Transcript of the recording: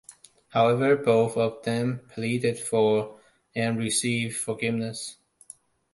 However, both of them pleaded for, and received, forgiveness.